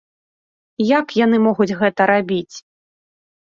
Як яны могуць гэта рабіць?